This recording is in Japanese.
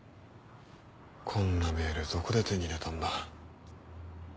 こんなメールどこで手に入れたんだ？